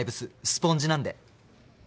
スポンジなんで。